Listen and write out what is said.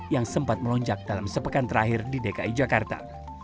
yang sempat melonjak dalam sepekan terakhir di dki jakarta